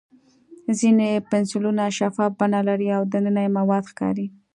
ځینې پنسلونه شفاف بڼه لري او دننه یې مواد ښکاري.